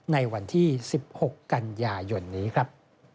ในวันที่๑๖กันยายนนี้ครับ